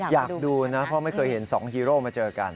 อยากดูนะเพราะไม่เคยเห็นสองฮีโร่มาเจอกัน